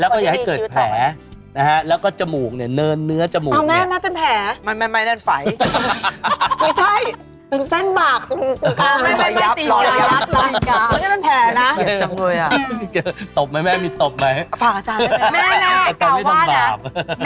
คือบางคนเขาต้องถอนคิ้วไหมพี่กาม